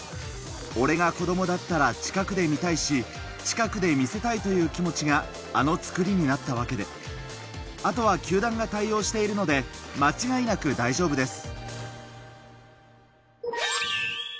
俺が子どもだったら近くで見たいし、近くで見せたいという気持ちがあの造りになったわけで、あとは球団が対応しているので、間違いなく大丈夫です。